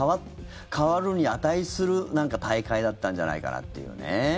変わるに値する大会だったんじゃないかなというね。